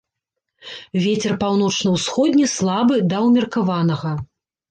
Вецер паўночна-ўсходні слабы да ўмеркаванага.